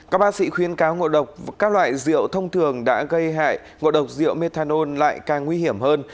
các bác sĩ khuyên cáo ngộ độc các loại rượu thông thường đã gây hại ngộ độc rượu methanol lại càng nguy hiểm hơn